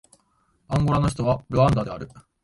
アンゴラの首都はルアンダである